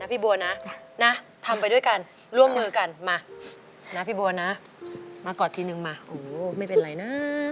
นะพี่บัวนะนะทำไปด้วยกันล่วมมือกันมานะพี่บัวนะนะก่อนทีนึงมาไม่เป็นอะไรนะ